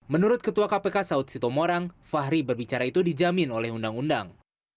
menurut ketua kpk saud sitomorang fahri berbicara itu dijamin oleh undang undang